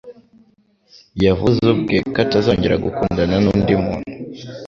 Yavuze ubwe ko atazongera gukundana n'undi muntu.